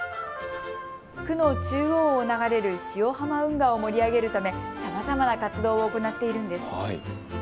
区の中央を流れる汐浜運河を盛り上げるためさまざまな活動を行っているんです。